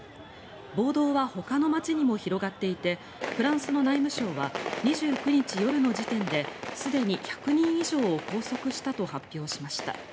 暴動はほかの街にも広がっていてフランスの内務相は２９日夜の時点ですでに１００人以上を拘束したと発表しました。